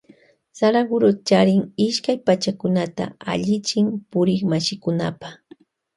Saraguro charin ishkay pakchakunata alliyachin purikmashikunapa.